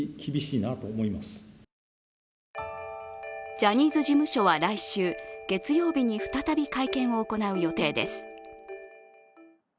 ジャニーズ事務所は来週月曜日に再び会見を行う予定です。